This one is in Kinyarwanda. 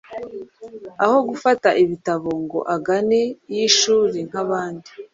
aho gufata ibitabo ngo agane iy’ishuri nk’abandi;